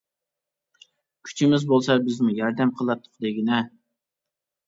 كۈچىمىز بولسا بىزمۇ ياردەم قىلاتتۇق دېگىنە.